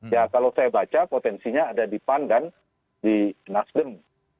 ya kalau saya baca potensinya ada di pan dan di nasdem